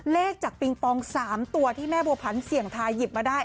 เลขจากปิงปอง๓ตัวที่แม่บัวพันธ์เสี่ยงทายหยิบมาได้